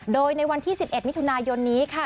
โดยในวันที่๑๑มิถุนายนนี้ค่ะ